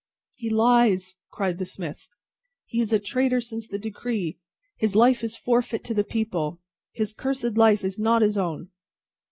"He lies!" cried the smith. "He is a traitor since the decree. His life is forfeit to the people. His cursed life is not his own!"